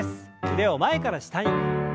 腕を前から下に。